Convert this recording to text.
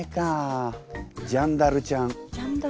ジャンダルちゃん？